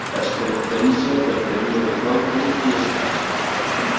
Es caracteritza per tenir el pèl curt i escàs.